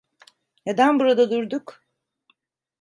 Neden burada durduk?